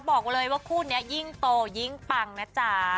บอกเลยว่าคู่นี้ยิ่งโตยิ่งปังนะจ๊ะ